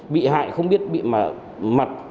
bị hại không biết bị mặt